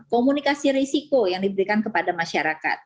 komunikasi risiko yang diberikan kepada masyarakat